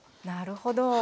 なるほど。